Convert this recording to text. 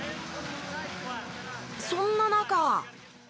そんな中。